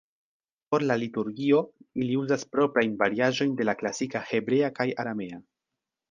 Por la liturgio ili uzas proprajn variaĵojn de la klasika Hebrea kaj Aramea.